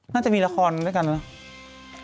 น่าจะมีละครด้วยกันเนอะ